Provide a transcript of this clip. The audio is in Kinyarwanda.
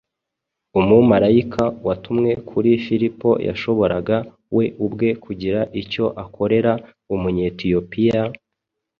Umumarayika watumwe kuri Filipo yashoboraga we ubwe kugira icyo akorera umunyetiyopiya,